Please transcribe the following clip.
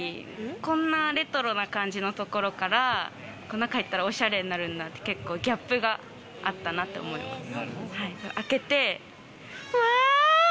こんなレトロな感じのところから、中入ったら、おしゃれになるんだっていう結構ギャップがあったなって思います。